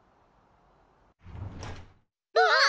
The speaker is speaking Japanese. うわっ！